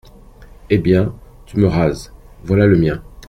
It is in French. Eh bien, tu me rases, voilà le mien.